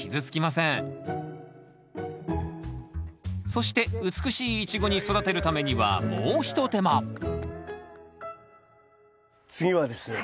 そして美しいイチゴに育てるためにはもうひと手間次はですね